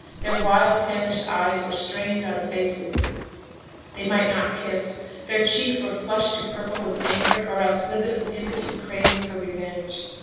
Their wild, famished eyes were strained on faces they might not kiss, their cheeks were flushed to purple with anger or else livid with impotent craving for revenge.